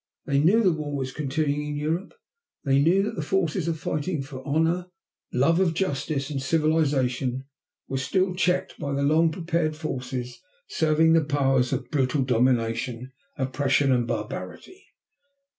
They knew war was continuing in Europe; they knew that the forces fighting for honor, love of justice and civilization were still checked by the long prepared forces serving the powers of brutal domination, oppression, and barbarity.